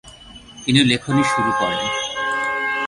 তিনি লেখনী শুরু করেন।